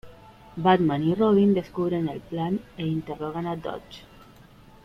Batman y Robin descubren el plan e interrogan a Dodge.